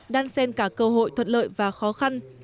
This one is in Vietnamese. đan sen cả cơ hội thuận lợi và khó khăn